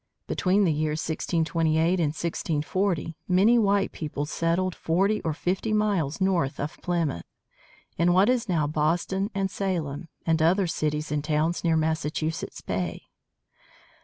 Between the years 1628 and 1640 many white people settled forty or fifty miles north of Plymouth, in what is now Boston and Salem, and other cities and towns near Massachusetts Bay.